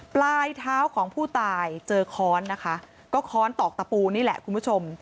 ปลายเท้าของผู้ตายเจอค้อนนะคะก็ค้อนตอกตะปูนี่แหละคุณผู้ชม